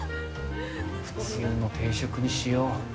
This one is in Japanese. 普通の定食にしよう。